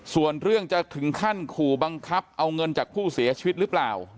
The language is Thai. ส่วนเรื่องจะถึงขั้นขู่บังคับเอาเงินจากผู้เสียชีวิตหรือเปล่า